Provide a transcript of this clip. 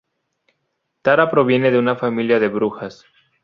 Tara proviene de una familia de brujas.